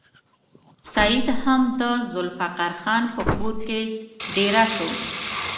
سید هم د ذوالفقار خان په کور کې دېره شو.